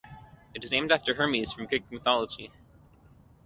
It is named after Hermes from Greek mythology.